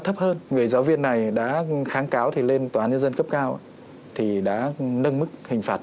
thấp hơn người giáo viên này đã kháng cáo thì lên tòa án nhân dân cấp cao thì đã nâng mức hình phạt